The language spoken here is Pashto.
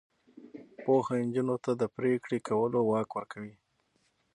پوهه نجونو ته د پریکړې کولو واک ورکوي.